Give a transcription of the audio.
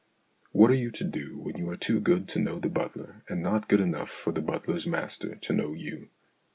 What are you to do when you are too good to know the butler, and not good enough for the butler's master to know you